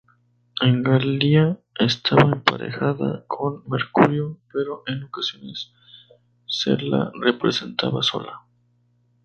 En Galia estaba emparejada con Mercurio, pero en ocasiones se la representaba sola.